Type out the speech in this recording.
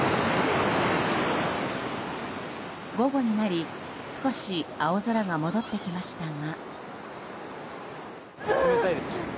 午後になり少し青空が戻ってきましたが。